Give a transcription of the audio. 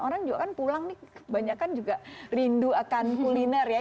orang juga kan pulang nih kebanyakan juga rindu akan kuliner ya